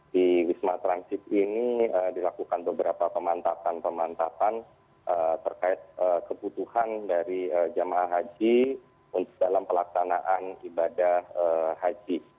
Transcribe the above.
di wisma transit ini dilakukan beberapa pemantapan pemantapan terkait kebutuhan dari jemaah haji dalam pelaksanaan ibadah haji